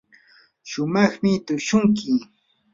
shumaqmi tushunki.